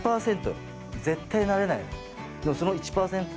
絶対なれないよね？